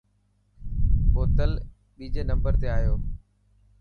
بوتل ٻيجي نمبر تي آيو.